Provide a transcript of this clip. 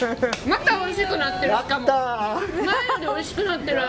またおいしくなってる！